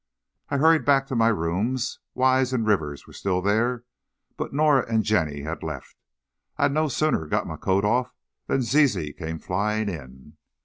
I hurried back to my rooms. Wise and Rivers were still there but Norah and Jenny had left. I had no sooner got my coat off than Zizi came flying in.